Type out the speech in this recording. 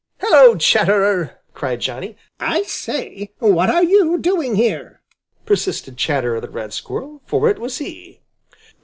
"Hello, Chatterer!" cried Johnny. "I say, what are you doing here?" persisted Chatterer the Red Squirrel, for it was he.